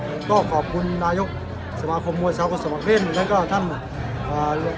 ผมก็ขอบคุณนายกสมาคมมวยสาวคนสมาครเล่นแล้วก็ท่านอ่า